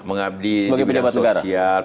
sebagai pejabat negara